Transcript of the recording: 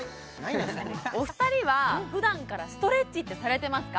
お二人はふだんからストレッチってされてますか？